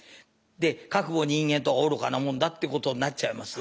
でかくも人間とは愚かなもんだってことになっちゃいます。